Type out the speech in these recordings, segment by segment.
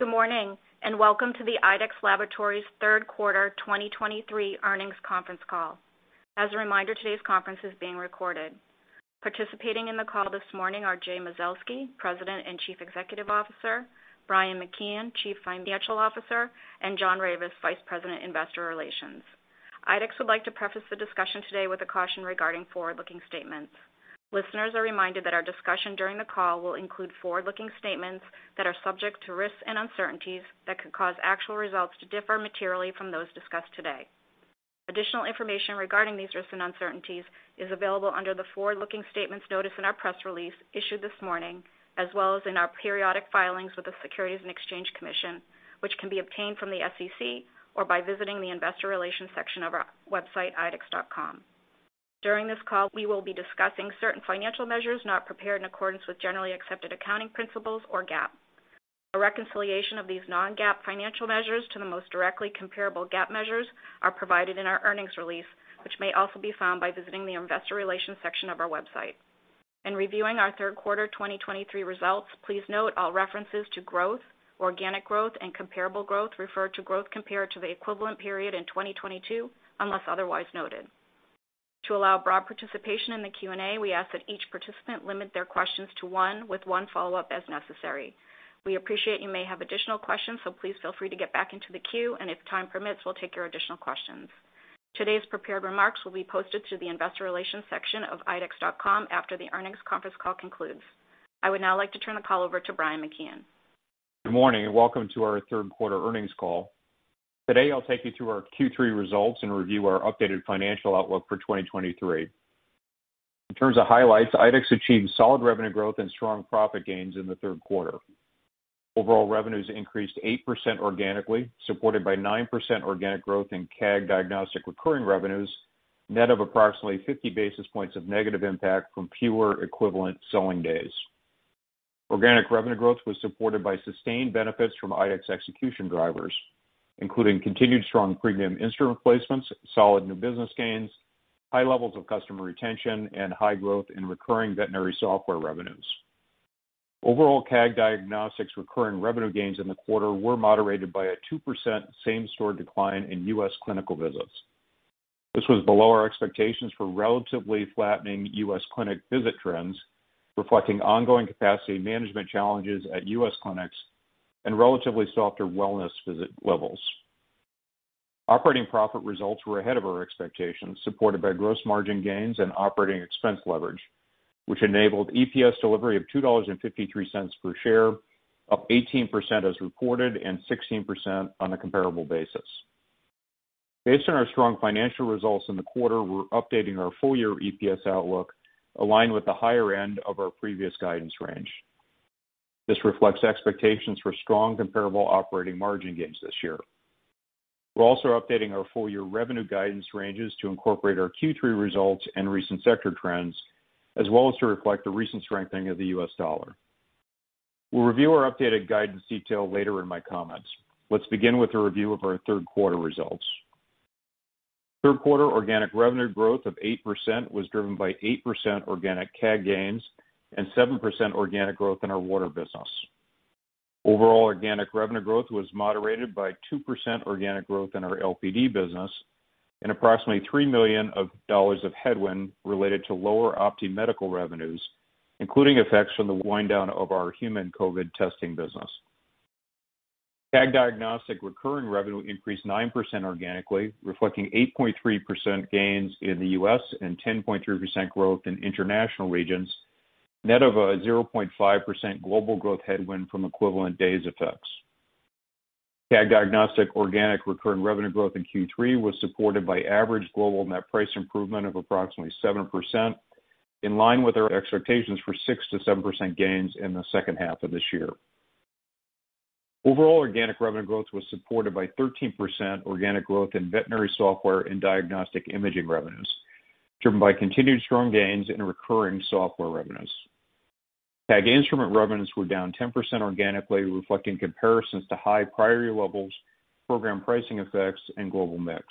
Good morning, and welcome to the IDEXX Laboratories third quarter 2023 earnings conference call. As a reminder, today's conference is being recorded. Participating in the call this morning are Jay Mazelsky, President and Chief Executive Officer, Brian McKeon, Chief Financial Officer, and John Ravis, Vice President, Investor Relations. IDEXX would like to preface the discussion today with a caution regarding forward-looking statements. Listeners are reminded that our discussion during the call will include forward-looking statements that are subject to risks and uncertainties that could cause actual results to differ materially from those discussed today. Additional information regarding these risks and uncertainties is available under the forward-looking statements notice in our press release issued this morning, as well as in our periodic filings with the Securities and Exchange Commission, which can be obtained from the SEC or by visiting the investor relations section of our website, IDEXX.com. During this call, we will be discussing certain financial measures not prepared in accordance with generally accepted accounting principles or GAAP. A reconciliation of these non-GAAP financial measures to the most directly comparable GAAP measures are provided in our earnings release, which may also be found by visiting the investor relations section of our website. In reviewing our third quarter 2023 results, please note all references to growth, organic growth, and comparable growth refer to growth compared to the equivalent period in 2022, unless otherwise noted. To allow broad participation in the Q&A, we ask that each participant limit their questions to one, with one follow-up as necessary. We appreciate you may have additional questions, so please feel free to get back into the queue, and if time permits, we'll take your additional questions. Today's prepared remarks will be posted to the investor relations section of IDEXX.com after the earnings conference call concludes. I would now like to turn the call over to Brian McKeon. Good morning, and welcome to our third quarter earnings call. Today, I'll take you through our Q3 results and review our updated financial outlook for 2023. In terms of highlights, IDEXX achieved solid revenue growth and strong profit gains in the third quarter. Overall revenues increased 8% organically, supported by 9% organic growth in CAG Diagnostics recurring revenues, net of approximately 50 basis points of negative impact from fewer equivalent selling days. Organic revenue growth was supported by sustained benefits from IDEXX execution drivers, including continued strong premium instrument replacements, solid new business gains, high levels of customer retention, and high growth in recurring veterinary software revenues. Overall, CAG Diagnostics recurring revenue gains in the quarter were moderated by a 2% same-store decline in U.S. clinical visits. This was below our expectations for relatively flattening U.S. clinic visit trends, reflecting ongoing capacity management challenges at U.S. clinics and relatively softer wellness visit levels. Operating profit results were ahead of our expectations, supported by gross margin gains and operating expense leverage, which enabled EPS delivery of $2.53 per share, up 18% as reported, and 16% on a comparable basis. Based on our strong financial results in the quarter, we're updating our full-year EPS outlook, aligned with the higher end of our previous guidance range. This reflects expectations for strong comparable operating margin gains this year. We're also updating our full-year revenue guidance ranges to incorporate our Q3 results and recent sector trends, as well as to reflect the recent strengthening of the U.S. dollar. We'll review our updated guidance detail later in my comments. Let's begin with a review of our third quarter results. Third quarter organic revenue growth of 8% was driven by 8% organic CAG gains and 7% organic growth in our Water business. Overall organic revenue growth was moderated by 2% organic growth in our LPD business and approximately $3 million of headwind related to lower OPTI Medical revenues, including effects from the wind down of our human COVID testing business. CAG Diagnostics recurring revenue increased 9% organically, reflecting 8.3% gains in the U.S. and 10.3% growth in international regions, net of a 0.5% global growth headwind from equivalent days effects. CAG Diagnostics organic recurring revenue growth in Q3 was supported by average global net price improvement of approximately 7%, in line with our expectations for 6%-7% gains in the second half of this year. Overall organic revenue growth was supported by 13% organic growth in veterinary software and diagnostic imaging revenues, driven by continued strong gains in recurring software revenues. CAG instrument revenues were down 10% organically, reflecting comparisons to high prior-year levels, program pricing effects, and global mix.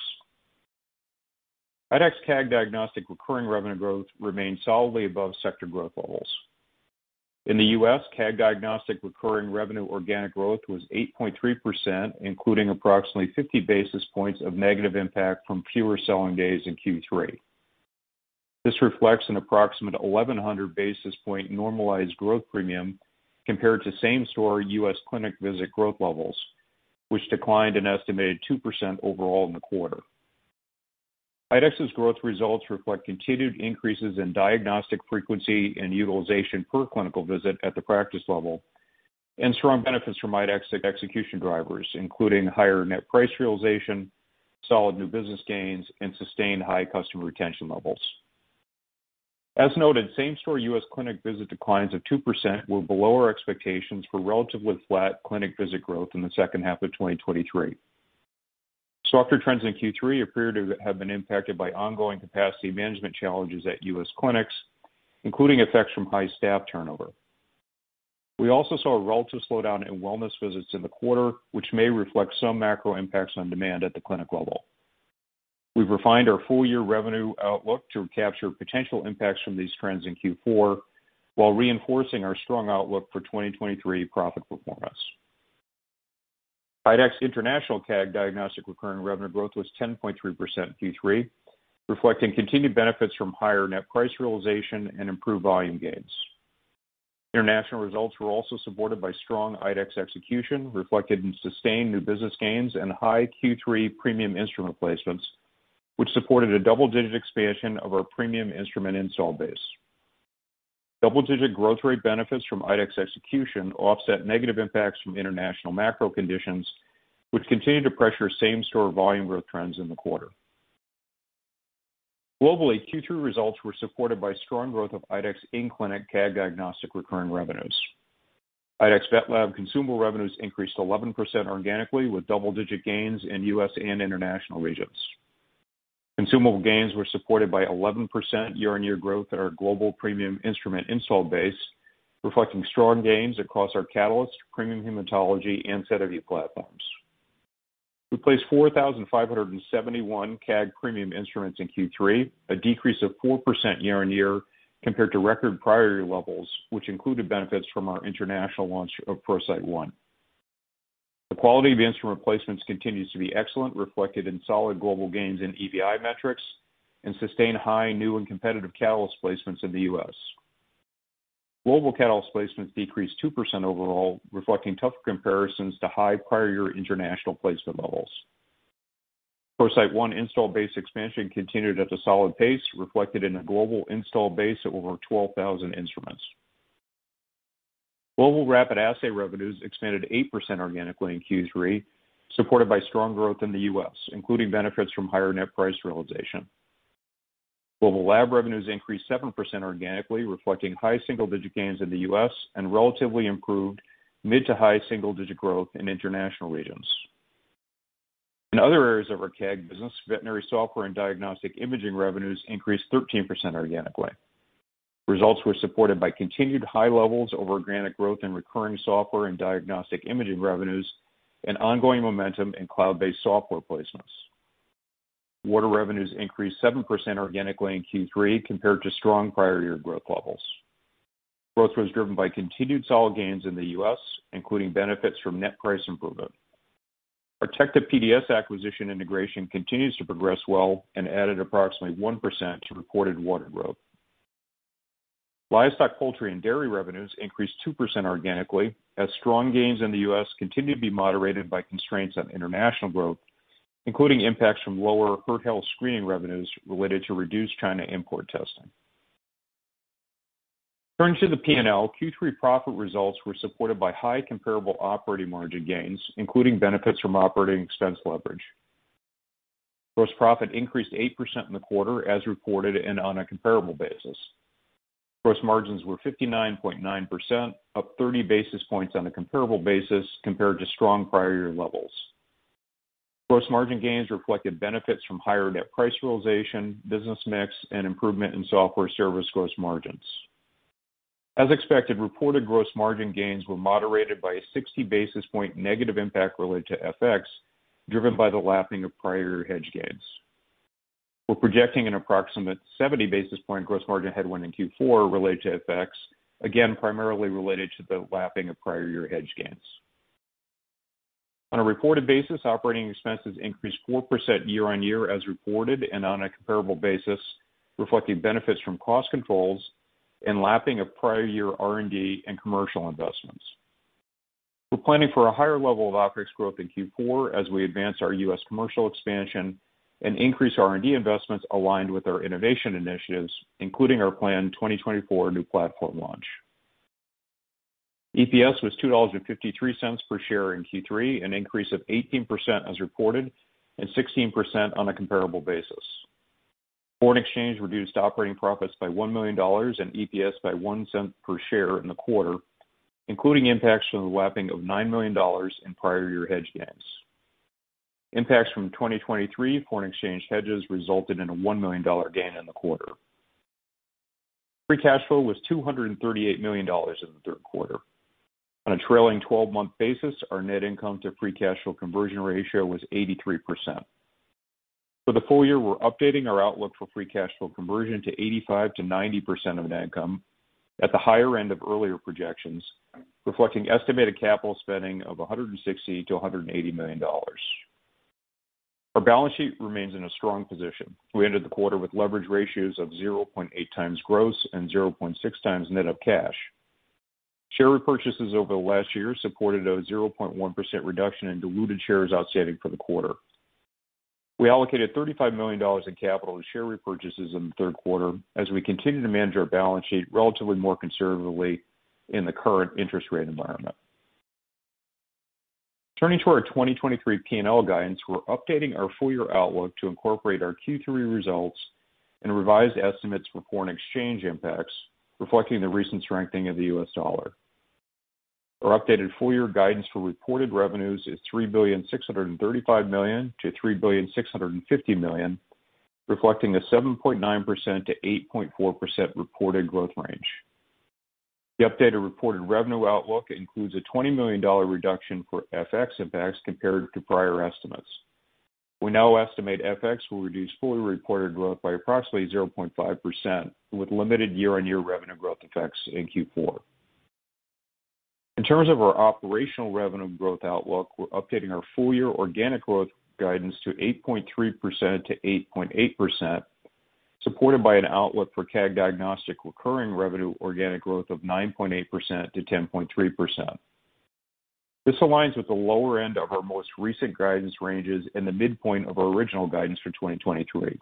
IDEXX CAG Diagnostics recurring revenue growth remained solidly above sector growth levels. In the U.S., CAG Diagnostics recurring revenue organic growth was 8.3%, including approximately 50 basis points of negative impact from fewer selling days in Q3. This reflects an approximate 1,100 basis points normalized growth premium compared to same-store U.S. clinic visit growth levels, which declined an estimated 2% overall in the quarter. IDEXX's growth results reflect continued increases in diagnostic frequency and utilization per clinical visit at the practice level, and strong benefits from IDEXX execution drivers, including higher net price realization, solid new business gains, and sustained high customer retention levels. As noted, same-store U.S. clinic visit declines of 2% were below our expectations for relatively flat clinic visit growth in the second half of 2023. Softer trends in Q3 appear to have been impacted by ongoing capacity management challenges at U.S. clinics, including effects from high staff turnover. We also saw a relative slowdown in wellness visits in the quarter, which may reflect some macro impacts on demand at the clinic level. We've refined our full-year revenue outlook to capture potential impacts from these trends in Q4, while reinforcing our strong outlook for 2023 profit performance. IDEXX international CAG Diagnostics recurring revenue growth was 10.3% in Q3, reflecting continued benefits from higher net price realization and improved volume gains. International results were also supported by strong IDEXX execution, reflected in sustained new business gains and high Q3 premium instrument placements, which supported a double-digit expansion of our premium instrument installed base. Double-digit growth rate benefits from IDEXX execution offset negative impacts from international macro conditions, which continued to pressure same-store volume growth trends in the quarter. Globally, Q2 results were supported by strong growth of IDEXX in-clinic CAG Diagnostics recurring revenues. IDEXX VetLab consumable revenues increased 11% organically, with double-digit gains in U.S. and international regions. Consumable gains were supported by 11% year-over-year growth at our global premium instrument installed base, reflecting strong gains across our Catalyst, Premium Hematology, and SediVue platforms. We placed 4,571 CAG premium instruments in Q3, a decrease of 4% year-over-year compared to record prior-year levels, which included benefits from our international launch of ProCyte One. The quality of the instrument placements continues to be excellent, reflected in solid global gains in EVI metrics and sustained high, new and competitive Catalyst placements in the U.S. Global Catalyst placements decreased 2% overall, reflecting tough comparisons to high prior-year international placement levels. ProCyte One installed base expansion continued at a solid pace, reflected in a global installed base of over 12,000 instruments. Global rapid assay revenues expanded 8% organically in Q3, supported by strong growth in the U.S., including benefits from higher net price realization. Global lab revenues increased 7% organically, reflecting high single-digit gains in the U.S. and relatively improved mid- to high single-digit growth in international regions. In other areas of our CAG business, veterinary software and diagnostic imaging revenues increased 13% organically. Results were supported by continued high levels of organic growth in recurring software and diagnostic imaging revenues, and ongoing momentum in cloud-based software placements. Water revenues increased 7% organically in Q3 compared to strong prior-year growth levels. Growth was driven by continued solid gains in the U.S., including benefits from net price improvement. Our TECTA-PDS acquisition integration continues to progress well and added approximately 1% to reported Water growth. Livestock, Poultry and Dairy revenues increased 2% organically, as strong gains in the U.S. continued to be moderated by constraints on international growth, including impacts from lower herd health screening revenues related to reduced China import testing. Turning to the P&L, Q3 profit results were supported by high comparable operating margin gains, including benefits from operating expense leverage. Gross profit increased 8% in the quarter, as reported and on a comparable basis. Gross margins were 59.9%, up 30 basis points on a comparable basis compared to strong prior-year levels. Gross margin gains reflected benefits from higher net price realization, business mix, and improvement in software services gross margins. As expected, reported gross margin gains were moderated by a 60 basis points negative impact related to FX, driven by the lapping of prior-year hedge gains. We're projecting an approximate 70 basis points gross margin headwind in Q4 related to FX, again, primarily related to the lapping of prior-year hedge gains. On a reported basis, operating expenses increased 4% year-on-year, as reported and on a comparable basis, reflecting benefits from cost controls and lapping of prior-year R&D and commercial investments. We're planning for a higher level of OpEx growth in Q4 as we advance our U.S. commercial expansion and increase R&D investments aligned with our innovation initiatives, including our planned 2024 new platform launch. EPS was $2.53 per share in Q3, an increase of 18% as reported, and 16% on a comparable basis. Foreign exchange reduced operating profits by $1 million and EPS by $0.01 per share in the quarter, including impacts from the lapping of $9 million in prior-year hedge gains. Impacts from 2023 foreign exchange hedges resulted in a $1 million gain in the quarter. Free cash flow was $238 million in the third quarter. On a trailing 12-month basis, our net income to free cash flow conversion ratio was 83%. For the full year, we're updating our outlook for free cash flow conversion to 85%-90% of net income at the higher end of earlier projections, reflecting estimated capital spending of $160 million-$180 million. Our balance sheet remains in a strong position. We ended the quarter with leverage ratios of 0.8x gross and 0.6x net of cash. Share repurchases over the last year supported a 0.1% reduction in diluted shares outstanding for the quarter. We allocated $35 million in capital to share repurchases in the third quarter as we continue to manage our balance sheet relatively more conservatively in the current interest rate environment. Turning to our 2023 P&L guidance, we're updating our full-year outlook to incorporate our Q3 results and revised estimates for foreign exchange impacts, reflecting the recent strengthening of the U.S. dollar. Our updated full-year guidance for reported revenues is $3.635 billion-$3.65 billion, reflecting a 7.9%-8.4% reported growth range. The updated reported revenue outlook includes a $20 million reduction for FX impacts compared to prior estimates. We now estimate FX will reduce fully reported growth by approximately 0.5%, with limited year-on-year revenue growth effects in Q4. In terms of our operational revenue growth outlook, we're updating our full-year organic growth guidance to 8.3%-8.8%, supported by an outlook for CAG Diagnostics recurring revenue organic growth of 9.8%-10.3%. This aligns with the lower end of our most recent guidance ranges and the midpoint of our original guidance for 2023.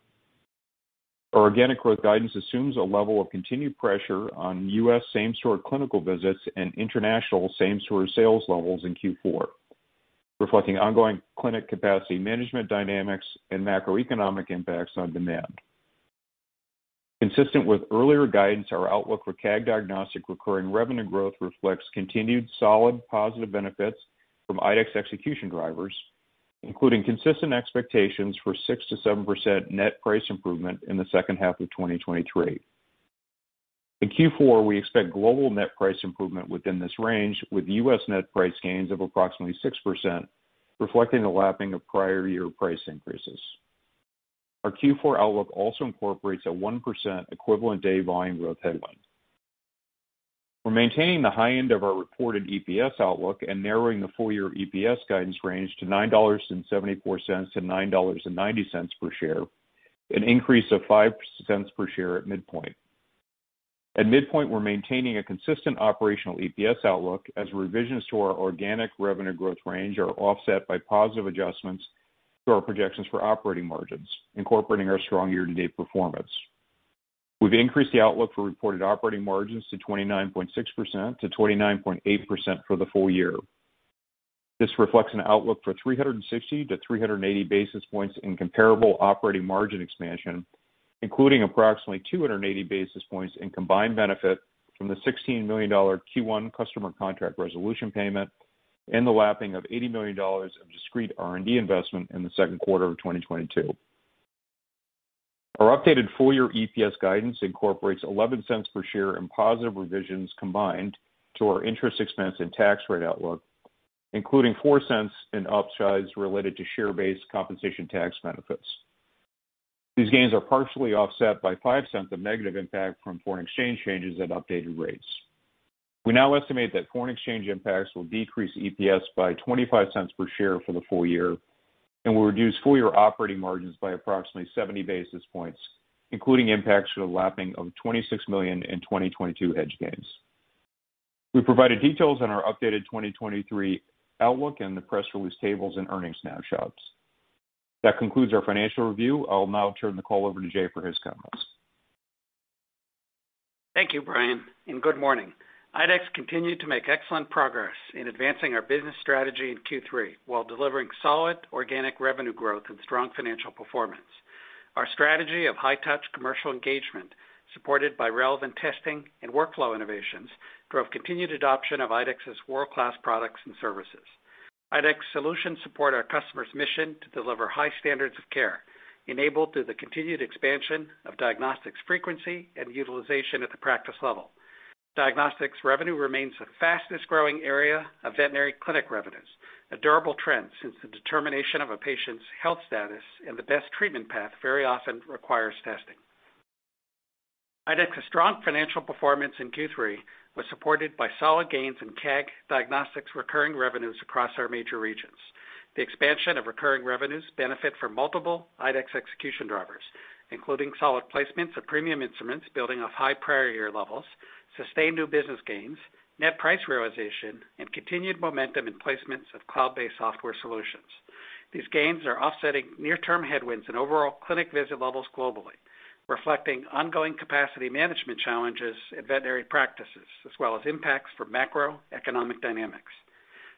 Our organic growth guidance assumes a level of continued pressure on U.S. same-store clinical visits and international same-store sales levels in Q4, reflecting ongoing clinic capacity management dynamics and macroeconomic impacts on demand. Consistent with earlier guidance, our outlook for CAG Diagnostics recurring revenue growth reflects continued solid positive benefits from IDEXX execution drivers, including consistent expectations for 6%-7% net price improvement in the second half of 2023. In Q4, we expect global net price improvement within this range, with U.S. net price gains of approximately 6%, reflecting the lapping of prior-year price increases. Our Q4 outlook also incorporates a 1% equivalent day volume growth headline. We're maintaining the high end of our reported EPS outlook and narrowing the full-year EPS guidance range to $9.74-$9.90 per share, an increase of $0.05 per share at midpoint. At midpoint, we're maintaining a consistent operational EPS outlook as revisions to our organic revenue growth range are offset by positive adjustments to our projections for operating margins, incorporating our strong year-to-date performance. We've increased the outlook for reported operating margins to 29.6%-29.8% for the full year. This reflects an outlook for 360 basis points-380 basis points in comparable operating margin expansion, including approximately 280 basis points in combined benefit from the $16 million Q1 customer contract resolution payment and the lapping of $80 million of discrete R&D investment in the second quarter of 2022. Our updated full-year EPS guidance incorporates $0.11 per share in positive revisions combined to our interest expense and tax rate outlook, including $0.04 in upsides related to share-based compensation tax benefits. These gains are partially offset by $0.05 of negative impact from foreign exchange changes at updated rates. We now estimate that foreign exchange impacts will decrease EPS by $0.25 per share for the full year and will reduce full-year operating margins by approximately 70 basis points, including impacts for the lapping of $26 million in 2022 hedge gains. We've provided details on our updated 2023 outlook in the press release tables and earnings snapshots. That concludes our financial review. I'll now turn the call over to Jay for his comments. Thank you, Brian, and good morning. IDEXX continued to make excellent progress in advancing our business strategy in Q3, while delivering solid organic revenue growth and strong financial performance. Our strategy of high-touch commercial engagement, supported by relevant testing and workflow innovations, drove continued adoption of IDEXX's world-class products and services. IDEXX solutions support our customers' mission to deliver high standards of care, enabled through the continued expansion of diagnostics frequency and utilization at the practice level. Diagnostics revenue remains the fastest growing area of veterinary clinic revenues, a durable trend since the determination of a patient's health status and the best treatment path very often requires testing. IDEXX's strong financial performance in Q3 was supported by solid gains in CAG Diagnostics recurring revenues across our major regions. The expansion of recurring revenues benefit from multiple IDEXX execution drivers, including solid placements of premium instruments building off high prior-year levels, sustained new business gains, net price realization, and continued momentum in placements of cloud-based software solutions. These gains are offsetting near-term headwinds in overall clinic visit levels globally, reflecting ongoing capacity management challenges in veterinary practices, as well as impacts from macroeconomic dynamics.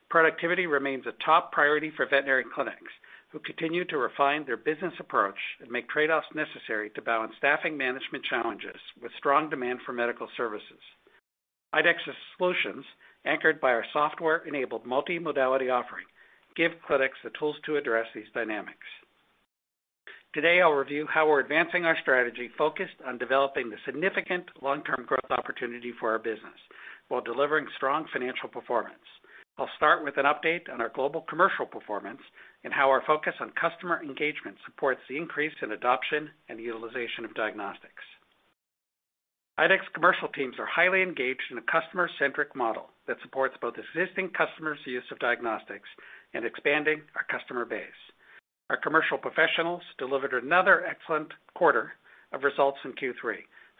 Productivity remains a top priority for veterinary clinics, who continue to refine their business approach and make trade-offs necessary to balance staffing management challenges with strong demand for medical services. IDEXX's solutions, anchored by our software-enabled multimodality offering, give clinics the tools to address these dynamics. Today, I'll review how we're advancing our strategy focused on developing the significant long-term growth opportunity for our business while delivering strong financial performance. I'll start with an update on our global commercial performance and how our focus on customer engagement supports the increase in adoption and utilization of diagnostics. IDEXX commercial teams are highly engaged in a customer-centric model that supports both existing customers' use of diagnostics and expanding our customer base. Our commercial professionals delivered another excellent quarter of results in Q3.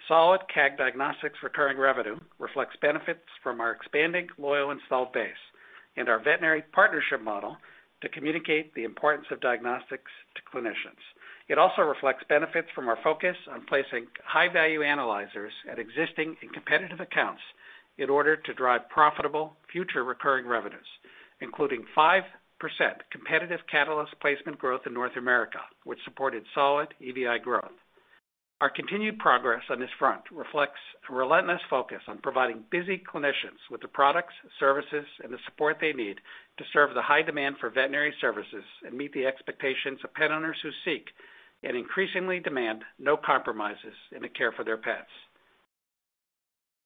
Solid CAG Diagnostics recurring revenue reflects benefits from our expanding loyal installed base and our veterinary partnership model to communicate the importance of diagnostics to clinicians. It also reflects benefits from our focus on placing high-value analyzers at existing and competitive accounts in order to drive profitable future recurring revenues, including 5% competitive Catalyst placement growth in North America, which supported solid EVI growth. Our continued progress on this front reflects a relentless focus on providing busy clinicians with the products, services, and the support they need to serve the high demand for veterinary services and meet the expectations of pet owners who seek and increasingly demand no compromises in the care for their pets.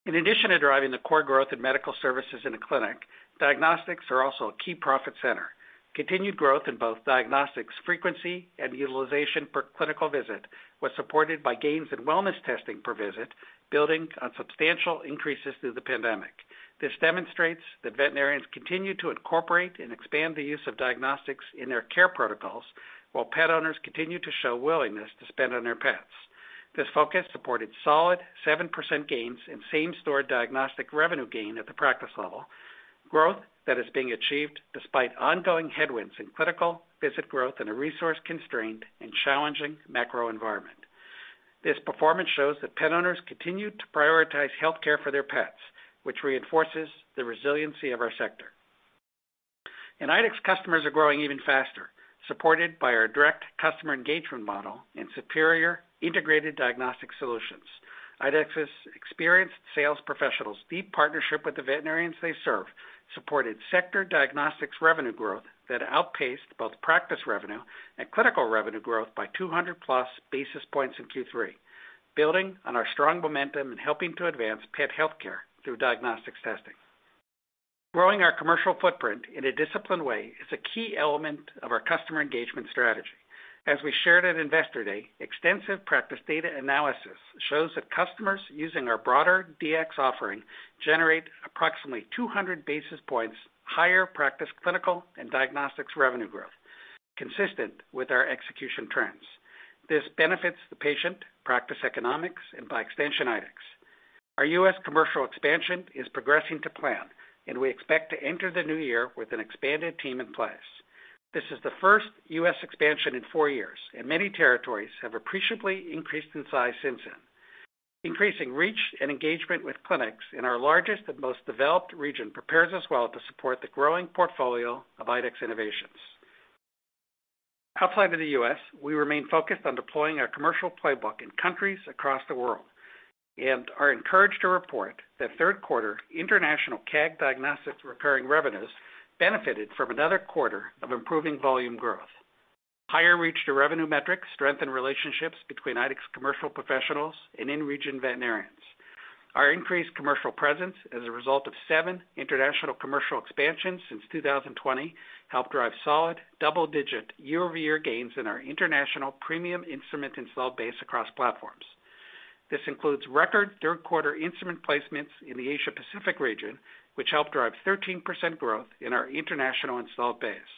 In addition to driving the core growth in medical services in the clinic, diagnostics are also a key profit center. Continued growth in both diagnostics frequency and utilization per clinical visit was supported by gains in wellness testing per visit, building on substantial increases through the pandemic. This demonstrates that veterinarians continue to incorporate and expand the use of diagnostics in their care protocols, while pet owners continue to show willingness to spend on their pets. This focus supported solid 7% gains in same-store diagnostic revenue gain at the practice level, growth that is being achieved despite ongoing headwinds in clinical visit growth in a resource-constrained and challenging macro environment. This performance shows that pet owners continue to prioritize health care for their pets, which reinforces the resiliency of our sector. IDEXX customers are growing even faster, supported by our direct customer engagement model and superior integrated diagnostic solutions. IDEXX's experienced sales professionals' deep partnership with the veterinarians they serve, supported sector diagnostics revenue growth that outpaced both practice revenue and clinical revenue growth by 200+ basis points in Q3, building on our strong momentum in helping to advance pet healthcare through diagnostics testing. Growing our commercial footprint in a disciplined way is a key element of our customer engagement strategy. As we shared at Investor Day, extensive practice data analysis shows that customers using our broader Dx offering generate approximately 200 basis points higher practice, clinical, and diagnostics revenue growth, consistent with our execution trends. This benefits the patient, practice economics, and by extension, IDEXX. Our U.S. commercial expansion is progressing to plan, and we expect to enter the new year with an expanded team in place. This is the first U.S. expansion in four years, and many territories have appreciably increased in size since then. Increasing reach and engagement with clinics in our largest and most developed region prepares us well to support the growing portfolio of IDEXX innovations. Outside of the U.S., we remain focused on deploying our commercial playbook in countries across the world, and are encouraged to report that third quarter international CAG Diagnostics recurring revenues benefited from another quarter of improving volume growth. Higher reach to revenue metrics strengthen relationships between IDEXX commercial professionals and in-region veterinarians. Our increased commercial presence, as a result of seven international commercial expansions since 2020, helped drive solid double-digit year-over-year gains in our international premium instrument installed base across platforms. This includes record third quarter instrument placements in the Asia Pacific region, which helped drive 13% growth in our international installed base.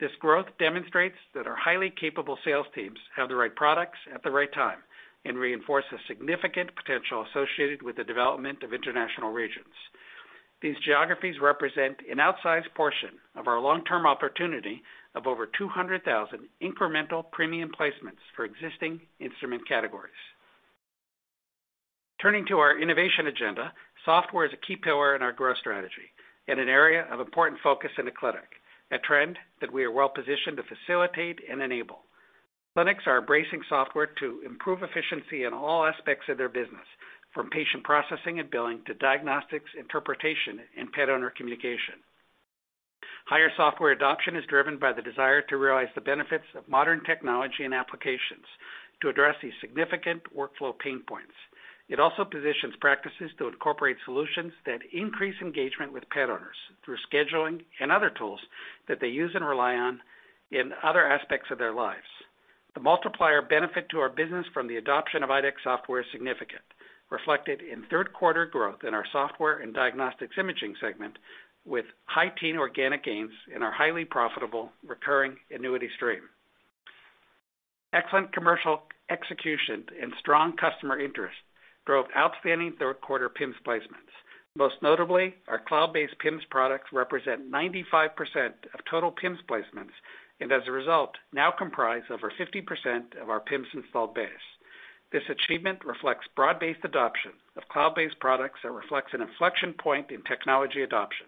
This growth demonstrates that our highly capable sales teams have the right products at the right time and reinforce the significant potential associated with the development of international regions. These geographies represent an outsized portion of our long-term opportunity of over 200,000 incremental premium placements for existing instrument categories. Turning to our innovation agenda, software is a key pillar in our growth strategy and an area of important focus in the clinic, a trend that we are well positioned to facilitate and enable. Clinics are embracing software to improve efficiency in all aspects of their business, from patient processing and billing to diagnostics, interpretation, and pet owner communication. Higher software adoption is driven by the desire to realize the benefits of modern technology and applications to address these significant workflow pain points. It also positions practices to incorporate solutions that increase engagement with pet owners through scheduling and other tools that they use and rely on in other aspects of their lives. The multiplier benefit to our business from the adoption of IDEXX software is significant, reflected in third quarter growth in our software and diagnostic imaging segment, with high-teen organic gains in our highly profitable recurring annuity stream. Excellent commercial execution and strong customer interest drove outstanding third quarter PIMS placements. Most notably, our cloud-based PIMS products represent 95% of total PIMS placements, and as a result, now comprise over 50% of our PIMS installed base. This achievement reflects broad-based adoption of cloud-based products that reflects an inflection point in technology adoption.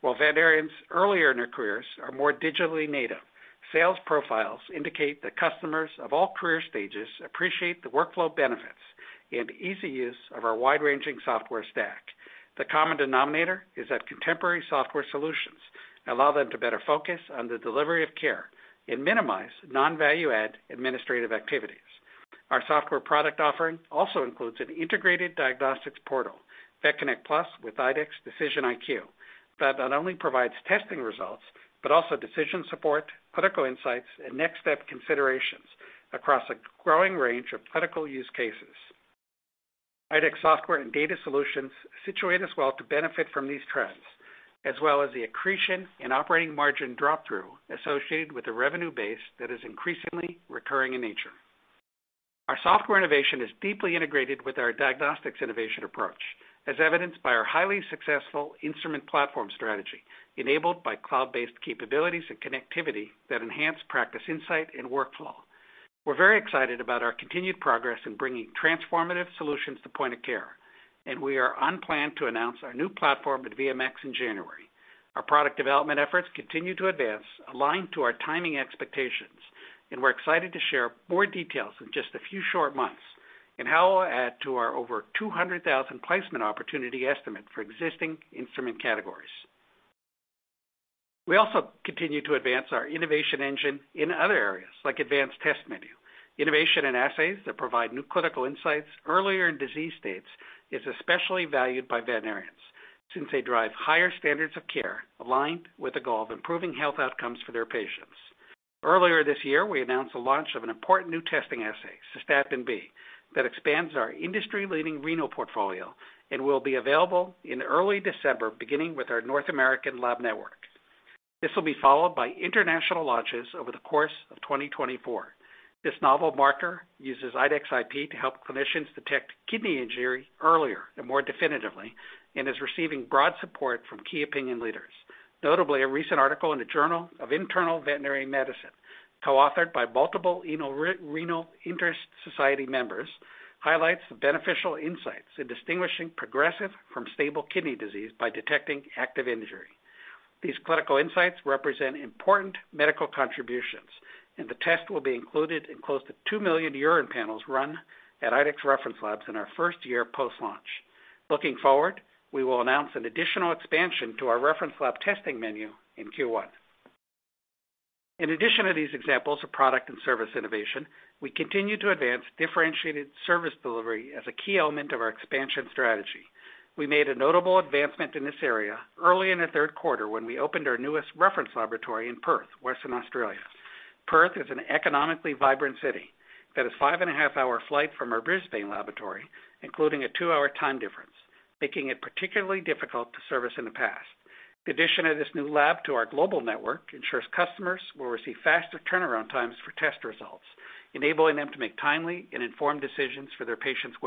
While veterinarians earlier in their careers are more digitally native, sales profiles indicate that customers of all career stages appreciate the workflow benefits and easy use of our wide-ranging software stack. The common denominator is that contemporary software solutions allow them to better focus on the delivery of care and minimize non-value-add administrative activities. Our software product offering also includes an integrated diagnostics portal, VetConnect PLUS with IDEXX DecisionIQ, that not only provides testing results, but also decision support, clinical insights, and next step considerations across a growing range of clinical use cases. IDEXX software and data solutions situate us well to benefit from these trends, as well as the accretion and operating margin drop-through associated with a revenue base that is increasingly recurring in nature. Our software innovation is deeply integrated with our diagnostics innovation approach, as evidenced by our highly successful instrument platform strategy, enabled by cloud-based capabilities and connectivity that enhance practice, insight, and workflow. We're very excited about our continued progress in bringing transformative solutions to point of care, and we are on plan to announce our new platform at VMX in January. Our product development efforts continue to advance, aligned to our timing expectations, and we're excited to share more details in just a few short months and how it will add to our over 200,000 placement opportunity estimate for existing instrument categories. We also continue to advance our innovation engine in other areas, like advanced test menu. Innovation and assays that provide new clinical insights earlier in disease states is especially valued by veterinarians, since they drive higher standards of care, aligned with the goal of improving health outcomes for their patients. Earlier this year, we announced the launch of an important new testing assay, Cystatin B, that expands our industry-leading renal portfolio and will be available in early December, beginning with our North American lab network. This will be followed by international launches over the course of 2024. This novel marker uses IDEXX IP to help clinicians detect kidney injury earlier and more definitively, and is receiving broad support from key opinion leaders. Notably, a recent article in the Journal of Veterinary Internal Medicine, co-authored by multiple European Renal Interest Society members, highlights the beneficial insights in distinguishing progressive from stable kidney disease by detecting active injury. These clinical insights represent important medical contributions, and the test will be included in close to 2 million urine panels run at IDEXX reference labs in our first year post-launch. Looking forward, we will announce an additional expansion to our reference lab testing menu in Q1. In addition to these examples of product and service innovation, we continue to advance differentiated service delivery as a key element of our expansion strategy. We made a notable advancement in this area early in the third quarter, when we opened our newest reference laboratory in Perth, Western Australia. Perth is an economically vibrant city that is a five and a half-hour flight from our Brisbane laboratory, including a two-hour time difference, making it particularly difficult to service in the past. The addition of this new lab to our global network ensures customers will receive faster turnaround times for test results, enabling them to make timely and informed decisions for their patients'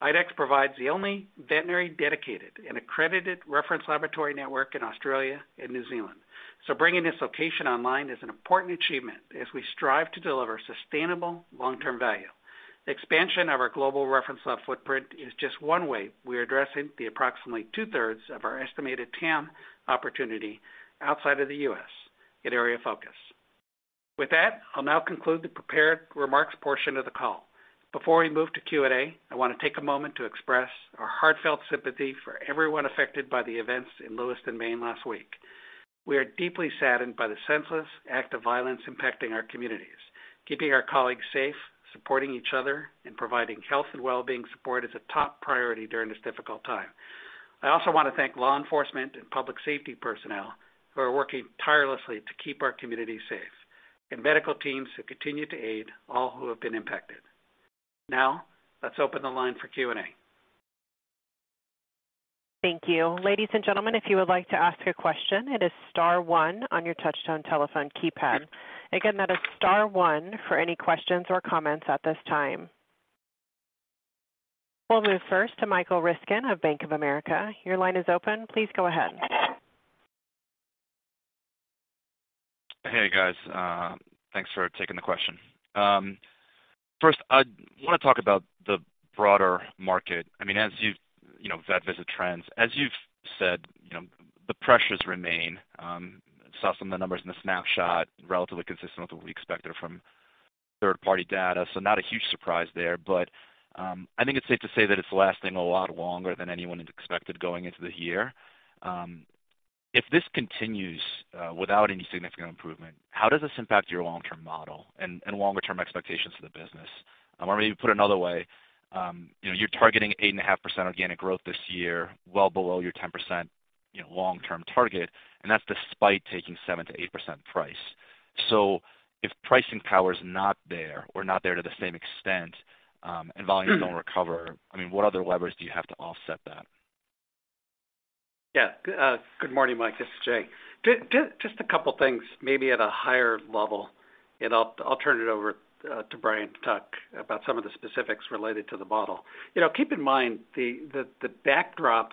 well-being. IDEXX provides the only veterinary-dedicated and accredited reference laboratory network in Australia and New Zealand, so bringing this location online is an important achievement as we strive to deliver sustainable long-term value. The expansion of our global reference lab footprint is just one way we are addressing the approximately 2/3 of our estimated TAM opportunity outside of the U.S. at area of focus. With that, I'll now conclude the prepared remarks portion of the call. Before we move to Q&A, I want to take a moment to express our heartfelt sympathy for everyone affected by the events in Lewiston, Maine, last week. We are deeply saddened by the senseless act of violence impacting our communities. Keeping our colleagues safe, supporting each other, and providing health and well-being support is a top priority during this difficult time. I also want to thank law enforcement and public safety personnel who are working tirelessly to keep our communities safe, and medical teams who continue to aid all who have been impacted. Now, let's open the line for Q&A. Thank you. Ladies and gentlemen, if you would like to ask a question, it is star one on your touch-tone telephone keypad. Again, that is star one for any questions or comments at this time. We'll move first to Michael Ryskin of Bank of America. Your line is open. Please go ahead. Hey, guys. Thanks for taking the question. First, I want to talk about the broader market. I mean, as you—you know, vet visit trends. As you've said, you know, the pressures remain. Saw some of the numbers in the snapshot, relatively consistent with what we expected from third-party data, so not a huge surprise there. But, I think it's safe to say that it's lasting a lot longer than anyone expected going into the year. If this continues, without any significant improvement, how does this impact your long-term model and, and longer-term expectations for the business? Or maybe put another way, you know, you're targeting 8.5% organic growth this year, well below your 10%, you know, long-term target, and that's despite taking 7%-8% price. So if pricing power is not there or not there to the same extent, and volumes don't recover, I mean, what other levers do you have to offset that? Yeah. Good morning, Mike. This is Jay. Just a couple things, maybe at a higher level, and I'll turn it over to Brian to talk about some of the specifics related to the model. You know, keep in mind, the backdrop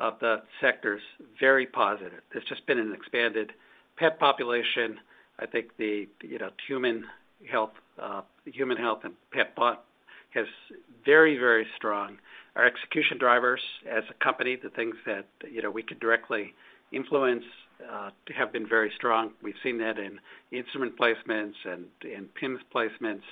of the sector is very positive. There's just been an expanded pet population. I think the, you know, human health and pet bond has very, very strong. Our execution drivers as a company, the things that, you know, we could directly influence, have been very strong. We've seen that in instrument placements and in PIMS placements,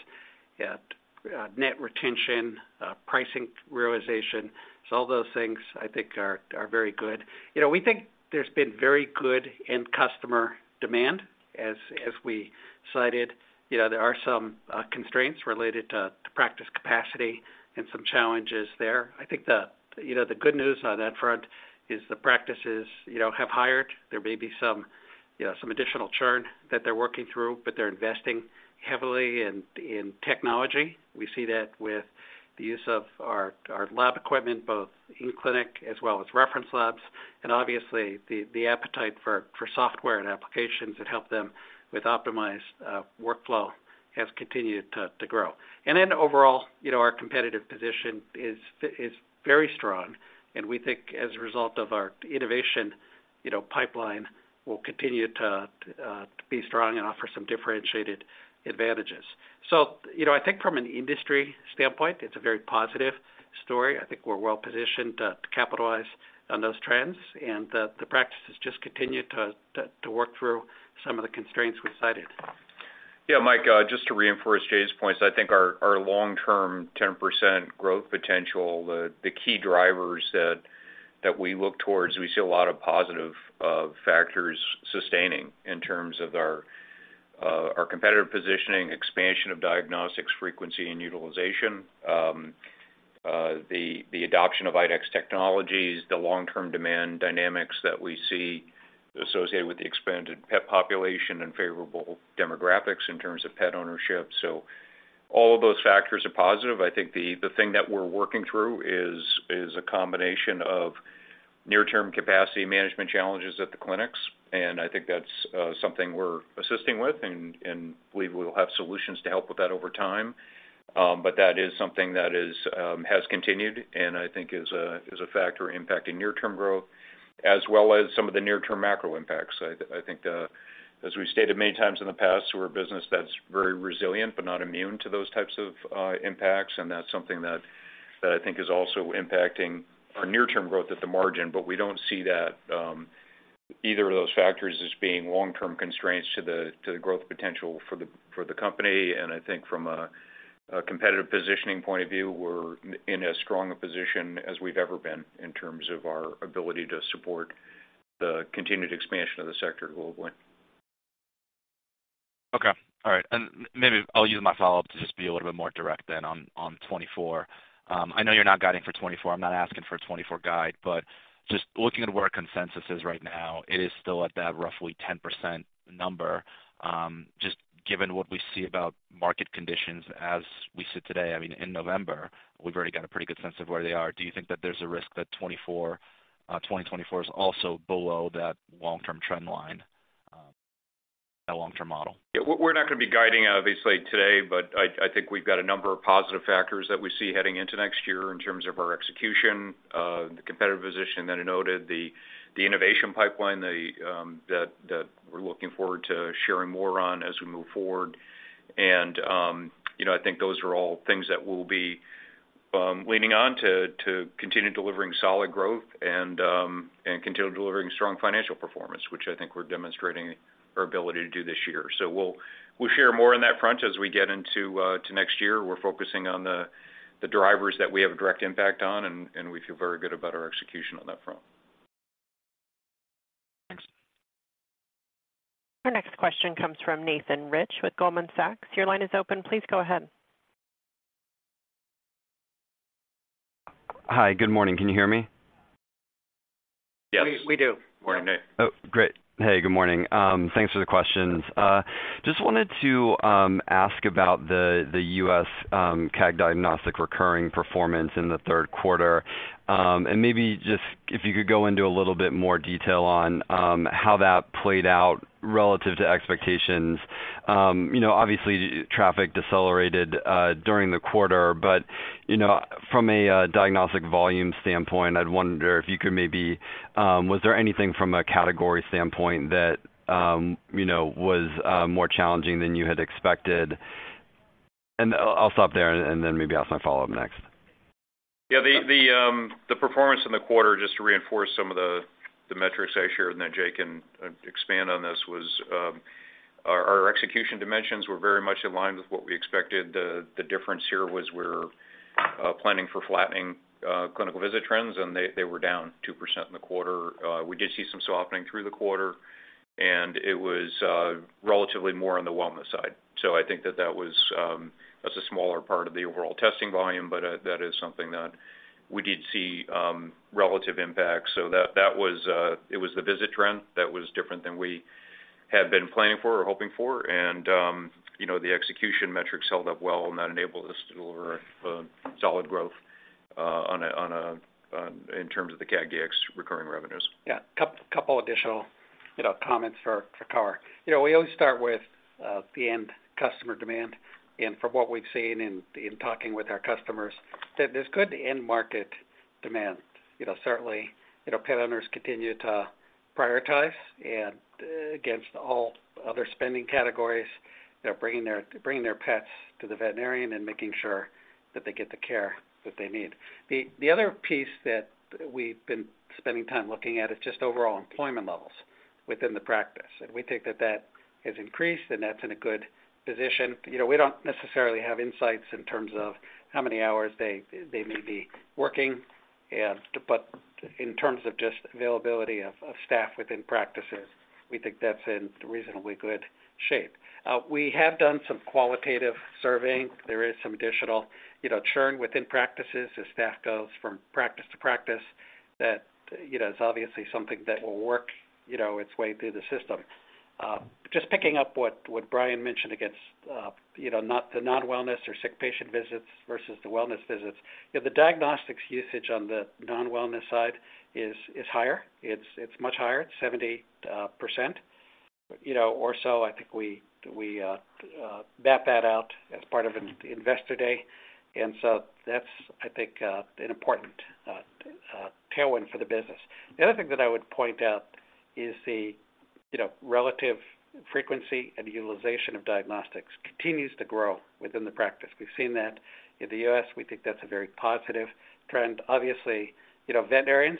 net retention, pricing realization. So all those things I think are very good. You know, we think there's been very good end customer demand. As we cited, you know, there are some constraints related to practice capacity and some challenges there. I think, you know, the good news on that front is the practices, you know, have hired. There may be some, you know, some additional churn that they're working through, but they're investing heavily in technology. We see that with the use of our lab equipment, both in clinic as well as reference labs, and obviously the appetite for software and applications that help them with optimized workflow has continued to grow. And then overall, you know, our competitive position is very strong, and we think as a result of our innovation, you know, pipeline will continue to be strong and offer some differentiated advantages. So, you know, I think from an industry standpoint, it's a very positive story. I think we're well positioned to capitalize on those trends and that the practices just continue to work through some of the constraints we cited. Yeah, Mike, just to reinforce Jay's points, I think our long-term 10% growth potential, the key drivers that we look towards, we see a lot of positive factors sustaining in terms of our competitive positioning, expansion of diagnostics, frequency and utilization. The adoption of IDEXX technologies, the long-term demand dynamics that we see associated with the expanded pet population and favorable demographics in terms of pet ownership. So all of those factors are positive. I think the thing that we're working through is a combination of near-term capacity management challenges at the clinics, and I think that's something we're assisting with, and believe we'll have solutions to help with that over time. But that is something that is, has continued and I think is a factor impacting near-term growth as well as some of the near-term macro impacts. I think the, as we've stated many times in the past, we're a business that's very resilient but not immune to those types of impacts, and that's something that I think is also impacting our near-term growth at the margin. But we don't see that either of those factors as being long-term constraints to the growth potential for the company. And I think from a competitive positioning point of view, we're in as strong a position as we've ever been in terms of our ability to support the continued expansion of the sector globally. Okay, all right. And maybe I'll use my follow-up to just be a little bit more direct then on, on 2024. I know you're not guiding for 2024. I'm not asking for a 2024 guide, but just looking at where our consensus is right now, it is still at that roughly 10% number. Just given what we see about market conditions as we sit today, I mean, in November, we've already got a pretty good sense of where they are. Do you think that there's a risk that 2024 is also below that long-term trend line, that long-term model? Yeah, we're not going to be guiding obviously today, but I think we've got a number of positive factors that we see heading into next year in terms of our execution, the competitive position that I noted, the innovation pipeline, that we're looking forward to sharing more on as we move forward. And, you know, I think those are all things that we'll be leaning on to continue delivering solid growth and continue delivering strong financial performance, which I think we're demonstrating our ability to do this year. So we'll share more on that front as we get into next year. We're focusing on the drivers that we have a direct impact on, and we feel very good about our execution on that front. Thanks. Our next question comes from Nathan Rich with Goldman Sachs. Your line is open. Please go ahead. Hi, good morning. Can you hear me? Yes. We do. Morning, Nate. Oh, great. Hey, good morning. Thanks for the questions. Just wanted to ask about the U.S. CAG Diagnostics recurring performance in the third quarter. And maybe just if you could go into a little bit more detail on how that played out relative to expectations. You know, obviously, traffic decelerated during the quarter, but you know, from a diagnostic volume standpoint, I'd wonder if you could maybe—was there anything from a category standpoint that you know, was more challenging than you had expected? And I'll stop there and then maybe ask my follow-up next. Yeah, the performance in the quarter, just to reinforce some of the metrics I shared, and then Jay can expand on this, was our execution dimensions were very much in line with what we expected. The difference here was we're planning for flattening clinical visit trends, and they were down 2% in the quarter. We did see some softening through the quarter, and it was relatively more on the wellness side. So I think that was that's a smaller part of the overall testing volume, but that is something that we did see relative impact. So that was it was the visit trend that was different than we had been planning for or hoping for. You know, the execution metrics held up well, and that enabled us to deliver solid growth in terms of the CAG ex-recurring revenues. Yeah. Couple additional, you know, comments for color. You know, we always start with the end customer demand, and from what we've seen in talking with our customers, that there's good end market demand. You know, certainly, you know, pet owners continue to prioritize and, against all other spending categories, they're bringing their, bringing their pets to the veterinarian and making sure that they get the care that they need. The other piece that we've been spending time looking at is just overall employment levels within the practice, and we think that has increased, and that's in a good position. You know, we don't necessarily have insights in terms of how many hours they may be working and—but in terms of just availability of staff within practices, we think that's in reasonably good shape. We have done some qualitative surveying. There is some additional, you know, churn within practices as staff goes from practice to practice. That, you know, is obviously something that will work, you know, its way through the system. Just picking up what Brian mentioned against, you know, the non-wellness or sick patient visits versus the wellness visits. You know, the diagnostics usage on the non-wellness side is higher. It's much higher, 70%, you know, or so. I think we mapped that out as part of an Investor Day, and so that's, I think, an important tailwind for the business. The other thing that I would point out is the, you know, relative frequency and utilization of diagnostics continues to grow within the practice. We've seen that in the U.S. We think that's a very positive trend. Obviously, you know, veterinarians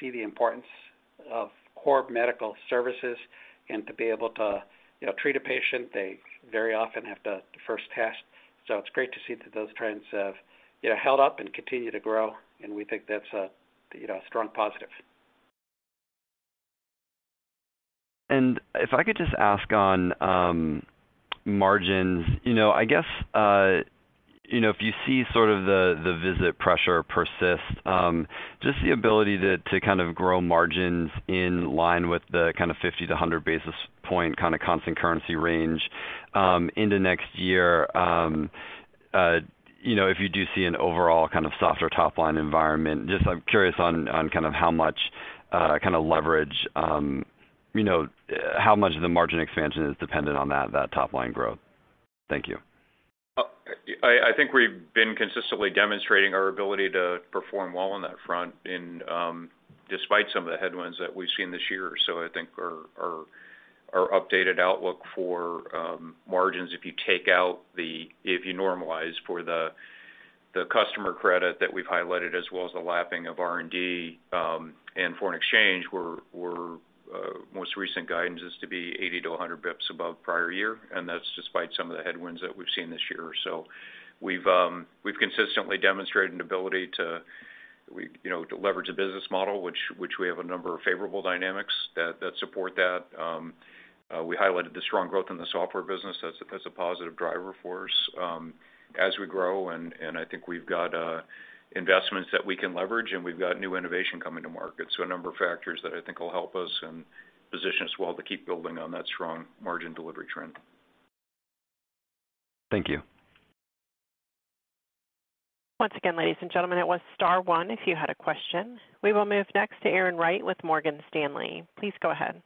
see the importance of core medical services and to be able to, you know, treat a patient, they very often have to first test. So it's great to see that those trends have, you know, held up and continue to grow, and we think that's a, you know, a strong positive. If I could just ask on margins. You know, I guess, you know, if you see sort of the visit pressure persist, just the ability to kind of grow margins in line with the kind of 50 basis points-100 basis points kind of constant currency range, into next year, you know, if you do see an overall kind of softer top-line environment, just I'm curious on kind of how much kind of leverage, you know, how much of the margin expansion is dependent on that top line growth? Thank you. I think we've been consistently demonstrating our ability to perform well on that front despite some of the headwinds that we've seen this year. So I think our updated outlook for margins, if you normalize for the customer credit that we've highlighted, as well as the lapping of R&D and foreign exchange, our most recent guidance is to be 80 basis points-100 basis points above prior year, and that's despite some of the headwinds that we've seen this year. So we've consistently demonstrated an ability to you know, to leverage the business model, which we have a number of favorable dynamics that support that. We highlighted the strong growth in the software business. That's a positive driver for us, as we grow, and I think we've got investments that we can leverage, and we've got new innovation coming to market. So a number of factors that I think will help us and position us well to keep building on that strong margin delivery trend. Thank you. Once again, ladies and gentlemen, it was star one if you had a question. We will move next to Erin Wright with Morgan Stanley. Please go ahead.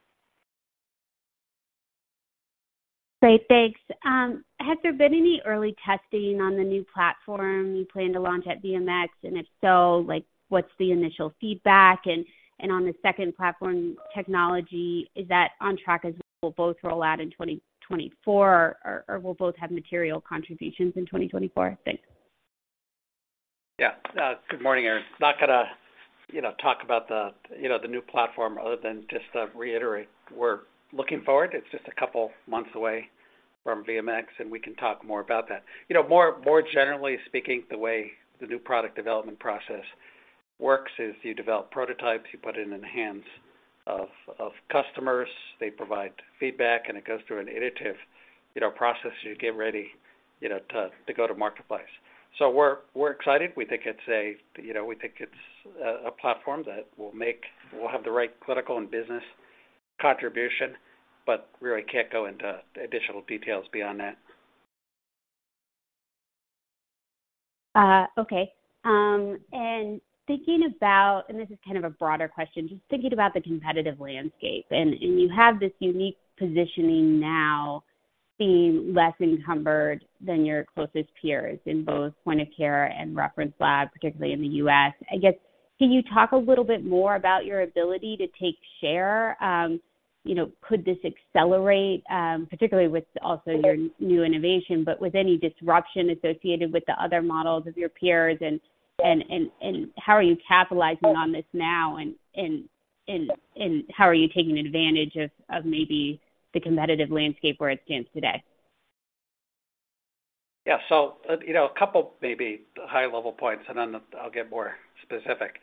Great, thanks. Has there been any early testing on the new platform you plan to launch at VMX? And if so, like, what's the initial feedback? And on the second platform technology, is that on track as we'll both roll out in 2024 or, or will both have material contributions in 2024? Thanks. Yeah. Good morning, Erin. Not gonna, you know, talk about the, you know, the new platform other than just to reiterate, we're looking forward. It's just a couple months away from VMX, and we can talk more about that. You know, more, more generally speaking, the way the new product development process works is you develop prototypes, you put it in the hands of, of customers, they provide feedback, and it goes through an iterative, you know, process to get ready, you know, to, to go to marketplace. So we're, we're excited. We think it's a, you know, we think it's a, a platform that will make—will have the right clinical and business contribution, but really can't go into additional details beyond that. Okay. And this is kind of a broader question, just thinking about the competitive landscape, and you have this unique positioning now, being less encumbered than your closest peers in both point of care and reference labs, particularly in the U.S. I guess, can you talk a little bit more about your ability to take share? You know, could this accelerate, particularly with also your new innovation, but with any disruption associated with the other models of your peers? And how are you capitalizing on this now, and how are you taking advantage of maybe the competitive landscape where it stands today? Yeah. So, you know, a couple maybe high-level points, and then I'll get more specific.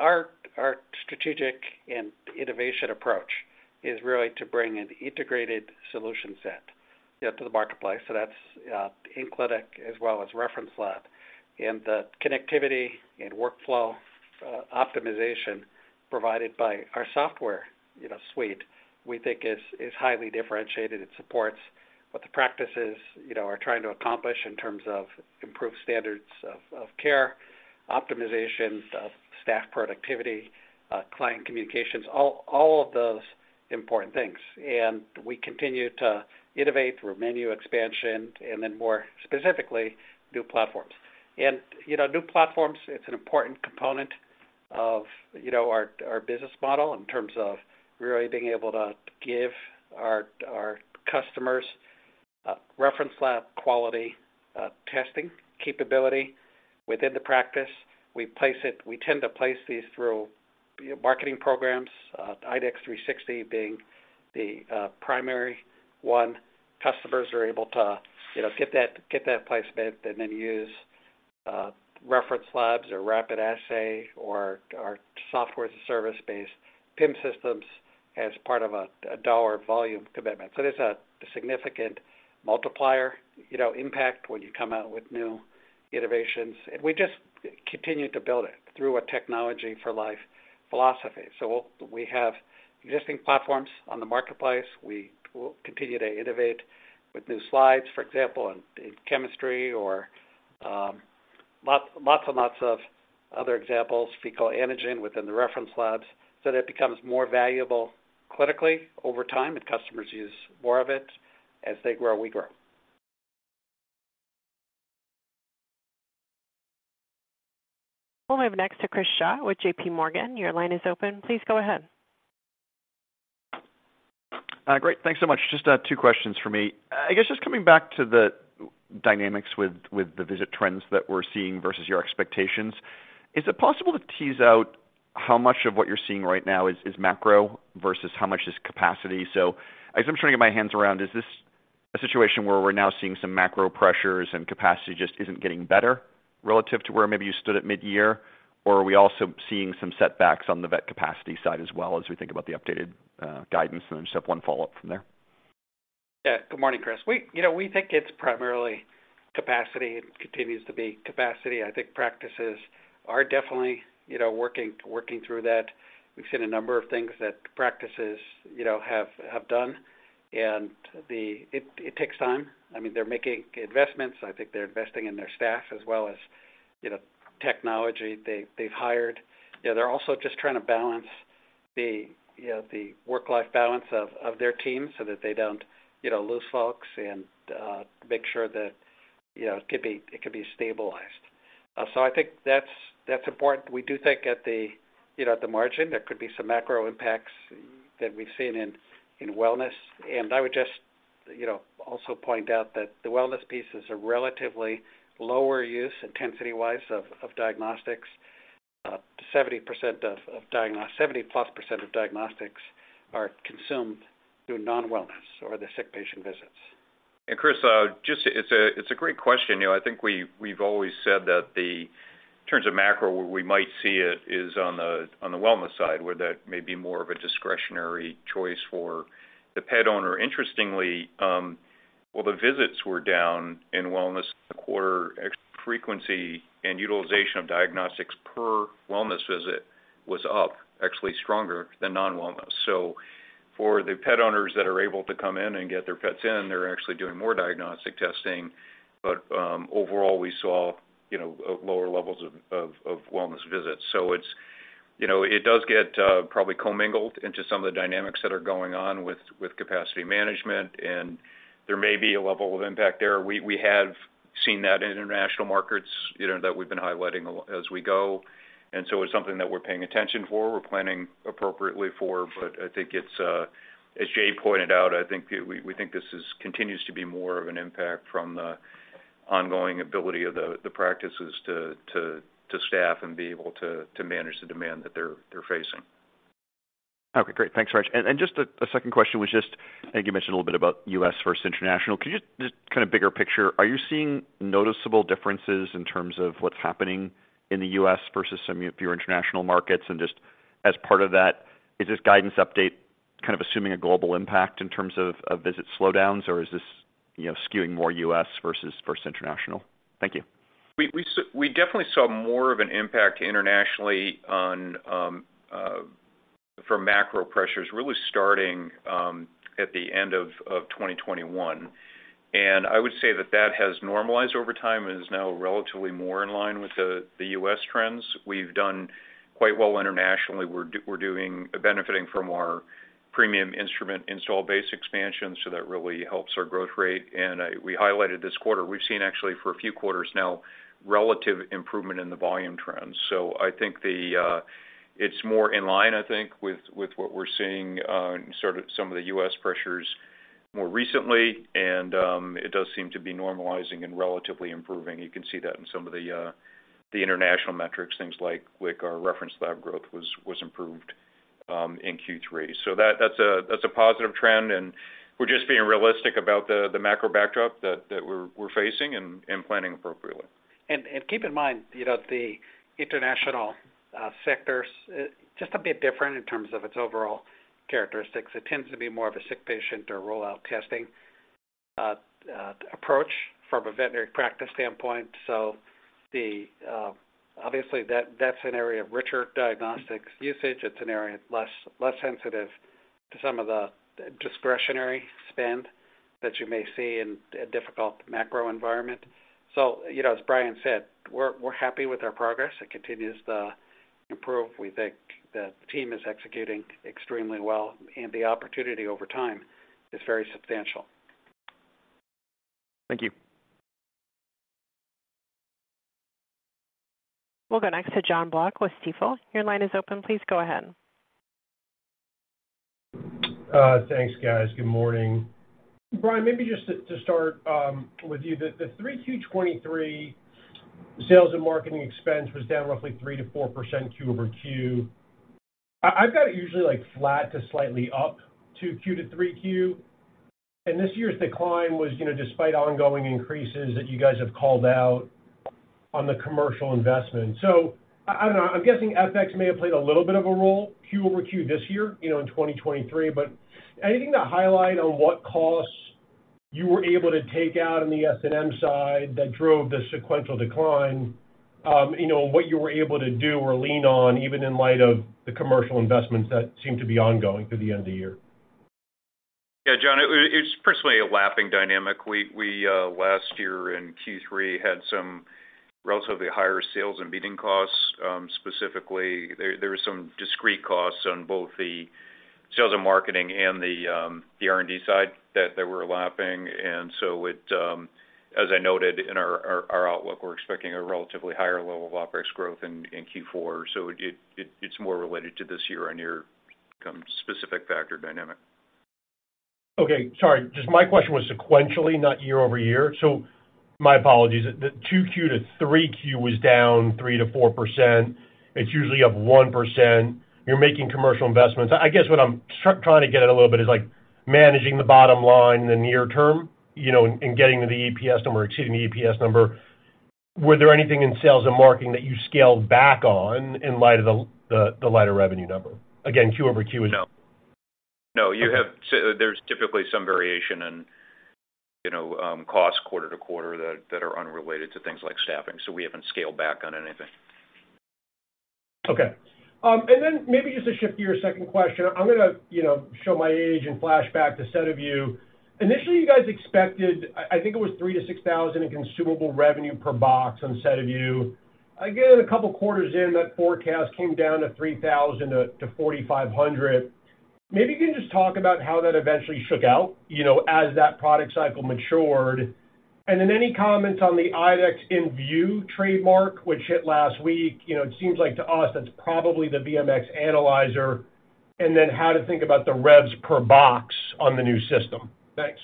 Our, our strategic and innovation approach is really to bring an integrated solution set, you know, to the marketplace, so that's, in clinic as well as reference lab. And the connectivity and workflow, optimization provided by our software, you know, suite, we think is, is highly differentiated. It supports what the practices, you know, are trying to accomplish in terms of improved standards of, of care, optimization of staff productivity, client communications, all, all of those important things. And we continue to innovate through menu expansion and then more specifically, new platforms. And, you know, new platforms, it's an important component of, you know, our, our business model in terms of really being able to give our, our customers, reference lab quality, testing capability within the practice. We tend to place these through marketing programs, IDEXX 360 being the primary one. Customers are able to, you know, get that, get that placement and then use reference labs or rapid assay or our Software-as-a-Service-based PIM systems as part of a dollar volume commitment. So there's a significant multiplier, you know, impact when you come out with new innovations. And we just continue to build it through a Technology for Life philosophy. So we have existing platforms on the marketplace. We will continue to innovate with new slides, for example, in chemistry or lots and lots of other examples, fecal antigen within the reference labs, so that it becomes more valuable clinically over time, and customers use more of it. As they grow, we grow. We'll move next to Chris Schott with JPMorgan. Your line is open. Please go ahead. Great. Thanks so much. Just two questions for me. I guess just coming back to the dynamics with the visit trends that we're seeing versus your expectations, is it possible to tease out how much of what you're seeing right now is macro versus how much is capacity? So I guess I'm trying to get my hands around, is this a situation where we're now seeing some macro pressures and capacity just isn't getting better relative to where maybe you stood at mid-year? Or are we also seeing some setbacks on the vet capacity side as well, as we think about the updated guidance? And then just have one follow-up from there. Yeah. Good morning, Chris. We, you know, we think it's primarily capacity. It continues to be capacity. I think practices are definitely, you know, working, working through that. We've seen a number of things that practices, you know, have, have done, and it, it takes time. I mean, they're making investments. I think they're investing in their staff as well as, you know, technology. They, they've hired—you know, they're also just trying to balance the, you know, the work-life balance of, of their team so that they don't, you know, lose folks and make sure that, you know, it could be, it could be stabilized. So I think that's, that's important. We do think at the, you know, at the margin, there could be some macro impacts that we've seen in, in wellness. I would just, you know, also point out that the wellness piece is a relatively lower use, intensity-wise, of diagnostics; 70%+ of diagnostics are consumed through non-wellness or the sick patient visits. And Chris, just, it's a great question. You know, I think we, we've always said that the, in terms of macro, where we might see it is on the, on the wellness side, where that may be more of a discretionary choice for the pet owner. Interestingly, while the visits were down in wellness, the quarter frequency and utilization of diagnostics per wellness visit was up, actually stronger than non-wellness. So for the pet owners that are able to come in and get their pets in, they're actually doing more diagnostic testing. But, overall, we saw, you know, lower levels of wellness visits. So it's, you know, it does get, probably commingled into some of the dynamics that are going on with capacity management, and there may be a level of impact there. We have seen that in international markets, you know, that we've been highlighting a lot as we go. And so it's something that we're paying attention for, we're planning appropriately for, but I think it's, as Jay pointed out, I think we think this is continues to be more of an impact from the ongoing ability of the practices to staff and be able to manage the demand that they're facing. Okay, great. Thanks very much. And just a second question. I think you mentioned a little bit about U.S. versus international. Could you just kind of bigger picture, are you seeing noticeable differences in terms of what's happening in the U.S. versus some of your international markets? And just as part of that, is this guidance update kind of assuming a global impact in terms of visit slowdowns, or is this, you know, skewing more U.S. versus international? Thank you. We definitely saw more of an impact internationally on from macro pressures, really starting at the end of 2021. And I would say that that has normalized over time and is now relatively more in line with the U.S. trends. We've done quite well internationally. We're benefiting from our premium instrument installed base expansion, so that really helps our growth rate. And we highlighted this quarter. We've seen actually for a few quarters now, relative improvement in the volume trends. So I think it's more in line, I think, with what we're seeing in sort of some of the U.S. pressures more recently, and it does seem to be normalizing and relatively improving. You can see that in some of the international metrics, things like our reference lab growth was improved in Q3. So that's a positive trend, and we're just being realistic about the macro backdrop that we're facing and planning appropriately. Keep in mind, you know, the international sectors just a bit different in terms of its overall characteristics. It tends to be more of a sick patient or rule-out testing approach from a veterinary practice standpoint. So obviously, that's an area of richer diagnostics usage. It's an area less sensitive to some of the discretionary spend that you may see in a difficult macro environment. So, you know, as Brian said, we're happy with our progress. It continues to improve. We think the team is executing extremely well, and the opportunity over time is very substantial. Thank you. We'll go next to Jon Block with Stifel. Your line is open. Please go ahead. Thanks, guys. Good morning. Brian, maybe just to start with you, the 3Q 2023 sales and marketing expense was down roughly 3%-4% QoQ. I've got it usually like flat to slightly up Q2 to 3Q, and this year's decline was, you know, despite ongoing increases that you guys have called out on the commercial investment. So I don't know, I'm guessing FX may have played a little bit of a role QoQ this year, you know, in 2023. But anything to highlight on what costs you were able to take out on the S&M side that drove the sequential decline, you know, what you were able to do or lean on, even in light of the commercial investments that seem to be ongoing through the end of the year? Yeah, Jon, it's personally a lapping dynamic. We, we, last year in Q3 had some relatively higher sales and meeting costs. Specifically, there were some discrete costs on both the sales and marketing and the R&D side that we're lapping. As I noted in our outlook, we're expecting a relatively higher level of OpEx growth in Q4. It's more related to this year-on-year company-specific factor dynamic. Okay, sorry. Just my question was sequentially, not year-over-year. So my apologies. The 2Q to 3Q was down 3%-4%. It's usually up 1%. You're making commercial investments. I guess what I'm trying to get at a little bit is, like, managing the bottom line in the near term, you know, and getting to the EPS number, exceeding the EPS number. Were there anything in sales and marketing that you scaled back on in light of the lighter revenue number? Again, QoQ is— No. No, you have. There's typically some variation in, you know, costs quarter-to-quarter that are unrelated to things like staffing, so we haven't scaled back on anything. Okay. And then maybe just to shift to your second question, I'm gonna, you know, show my age and flash back to SediVue. Initially, you guys expected, I think it was $3,000-$6,000 in consumable revenue per box on SediVue. Again, a couple of quarters in, that forecast came down to $3,000-$4,500. Maybe you can just talk about how that eventually shook out, you know, as that product cycle matured. And then any comments on the IDEXX inVue trademark, which hit last week. You know, it seems like to us, that's probably the VMX analyzer, and then how to think about the revs per box on the new system. Thanks.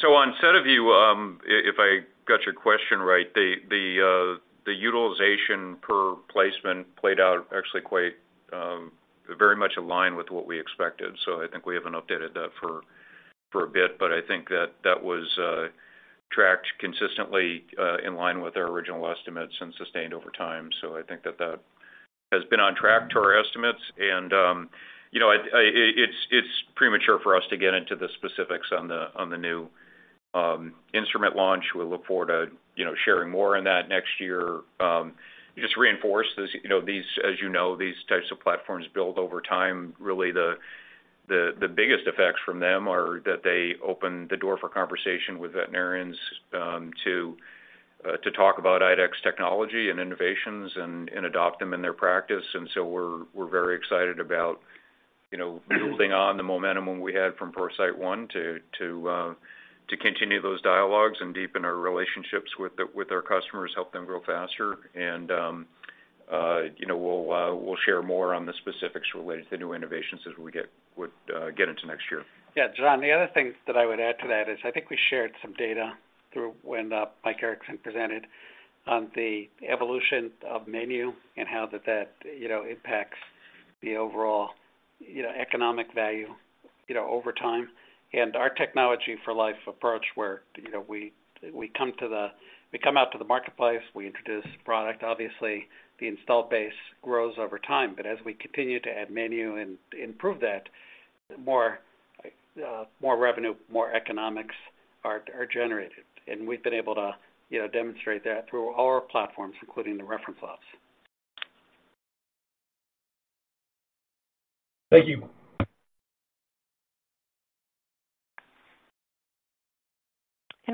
So on SediVue, if I got your question right, the utilization per placement played out actually quite very much aligned with what we expected. So I think we haven't updated that for a bit, but I think that that was tracked consistently in line with our original estimates and sustained over time. So I think that that has been on track to our estimates. And you know, it's premature for us to get into the specifics on the new instrument launch. We look forward to you know, sharing more on that next year. Just to reinforce, this you know, these, as you know, these types of platforms build over time. Really, the biggest effects from them are that they open the door for conversation with veterinarians, to talk about IDEXX technology and innovations and adopt them in their practice. And so we're very excited about, you know, building on the momentum we had from ProCyte One to continue those dialogues and deepen our relationships with our customers, help them grow faster. And, you know, we'll share more on the specifics related to the new innovations as we get into next year. Yeah, Jon, the other thing that I would add to that is, I think we shared some data through when Mike Erickson presented on the evolution of menu and how that, you know, impacts the overall, you know, economic value, you know, over time. And our technology for life approach, where, you know, we come out to the marketplace, we introduce product. Obviously, the installed base grows over time, but as we continue to add menu and improve that, more revenue, more economics are generated. And we've been able to, you know, demonstrate that through all our platforms, including the reference labs. Thank you.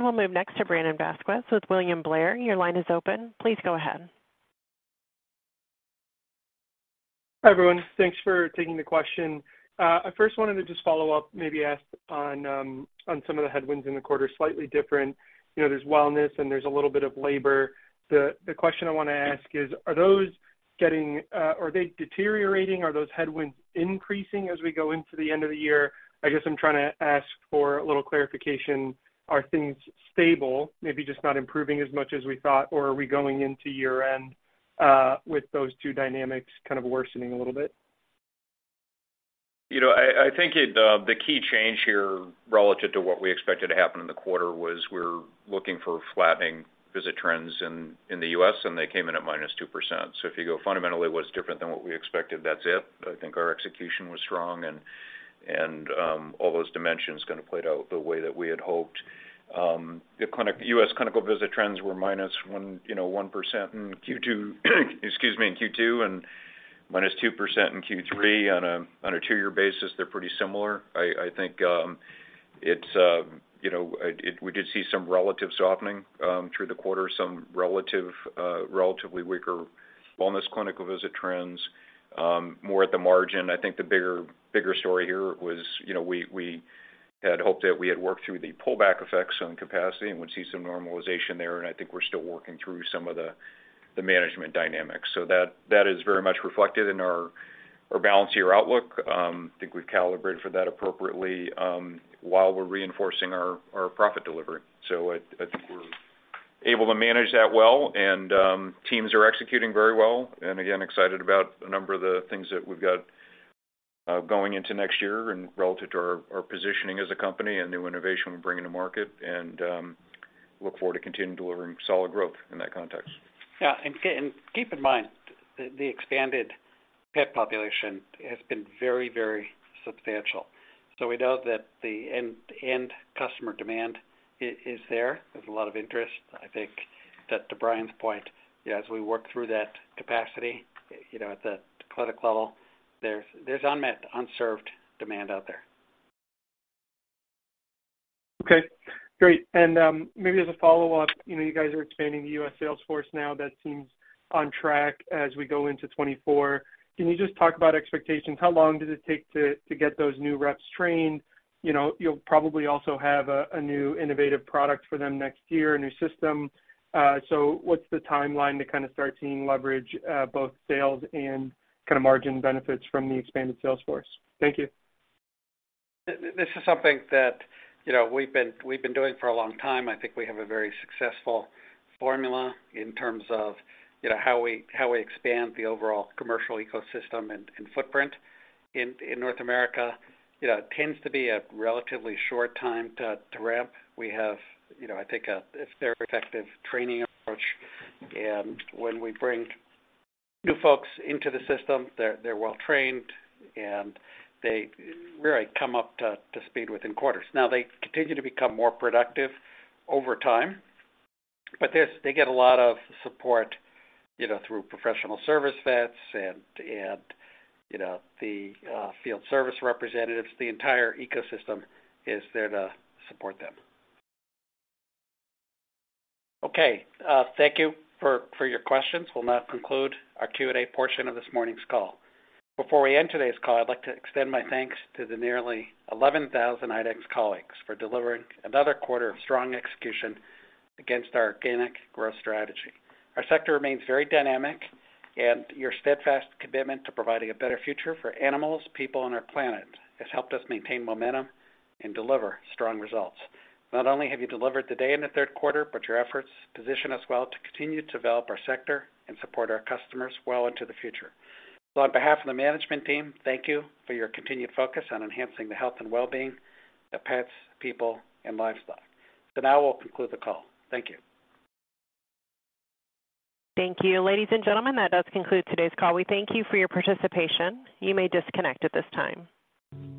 We'll move next to Brandon Vazquez with William Blair. Your line is open. Please go ahead. Hi, everyone. Thanks for taking the question. I first wanted to just follow up, maybe ask on, on some of the headwinds in the quarter, slightly different. You know, there's wellness and there's a little bit of labor. The question I want to ask is: are those getting, are they deteriorating? Are those headwinds increasing as we go into the end of the year? I guess I'm trying to ask for a little clarification. Are things stable, maybe just not improving as much as we thought, or are we going into year-end, with those two dynamics kind of worsening a little bit? You know, I think the key change here, relative to what we expected to happen in the quarter, was we're looking for flattening visit trends in the U.S., and they came in at -2%. So if you go fundamentally, what's different than what we expected, that's it. I think our execution was strong, and all those dimensions kind of played out the way that we had hoped. The U.S. clinical visit trends were -1% percent in Q2, excuse me, in Q2, and -2% percent in Q3. On a two-year basis, they're pretty similar. I think, you know, we did see some relative softening through the quarter, some relative relatively weaker wellness clinical visit trends, more at the margin. I think the bigger, bigger story here was, you know, we had hoped that we had worked through the pullback effects on capacity and would see some normalization there, and I think we're still working through some of the management dynamics. So that is very much reflected in our balanced year outlook. I think we've calibrated for that appropriately, while we're reinforcing our profit delivery. So I think we're able to manage that well, and teams are executing very well, and again, excited about a number of the things that we've got going into next year and relative to our positioning as a company and new innovation we bring in the market, and look forward to continuing delivering solid growth in that context. Yeah, and keep in mind, the expanded pet population has been very, very substantial. So we know that the end customer demand is there. There's a lot of interest. I think that to Brian's point, as we work through that capacity, you know, at the clinic level, there's unmet, unserved demand out there. Okay, great. And, maybe as a follow-up, you know, you guys are expanding the U.S. sales force now. That seems on track as we go into 2024. Can you just talk about expectations? How long does it take to get those new reps trained? You know, you'll probably also have a new innovative product for them next year, a new system. So, what's the timeline to kind of start seeing leverage, both sales and kind of margin benefits from the expanded sales force? Thank you. This is something that, you know, we've been doing for a long time. I think we have a very successful formula in terms of, you know, how we expand the overall commercial ecosystem and footprint in North America. You know, it tends to be a relatively short time to ramp. We have, you know, I think a very effective training approach, and when we bring new folks into the system, they're well trained, and they really come up to speed within quarters. Now, they continue to become more productive over time, but there's. They get a lot of support, you know, through professional service vets and, you know, the field service representatives. The entire ecosystem is there to support them. Okay, thank you for your questions. We'll now conclude our Q&A portion of this morning's call. Before we end today's call, I'd like to extend my thanks to the nearly 11,000 IDEXX colleagues for delivering another quarter of strong execution against our organic growth strategy. Our sector remains very dynamic, and your steadfast commitment to providing a better future for animals, people on our planet, has helped us maintain momentum and deliver strong results. Not only have you delivered today in the third quarter, but your efforts position us well to continue to develop our sector and support our customers well into the future. So on behalf of the management team, thank you for your continued focus on enhancing the health and wellbeing of pets, people, and livestock. So now we'll conclude the call. Thank you. Thank you. Ladies and gentlemen, that does conclude today's call. We thank you for your participation. You may disconnect at this time.